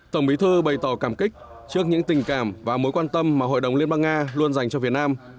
tổng bí thư bày tỏ cảm kích trước những tình cảm và mối quan tâm mà hội đồng liên bang nga luôn dành cho việt nam